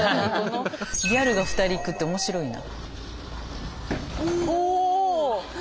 ギャルが２人行くって面白いな。